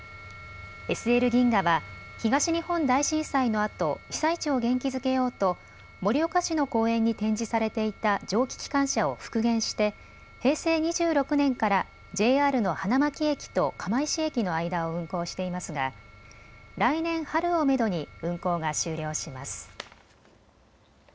ＳＬ銀河は、東日本大震災のあと被災地を元気づけようと盛岡市の公園に展示されていた蒸気機関車を復元して平成２６年からＪＲの花巻駅と釜石駅の間を運行していますが来年春をめどに運行が終了します。